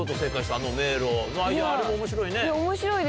あれも面白いね。